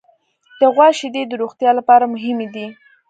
د غوا شیدې د روغتیا لپاره مهمې دي.